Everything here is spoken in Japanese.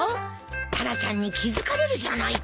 タラちゃんに気付かれるじゃないか。